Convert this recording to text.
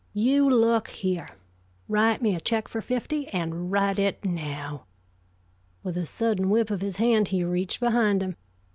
"You look here. Write me a check for fifty; an' write it now." With a sudden whip of his hand he reached behind him.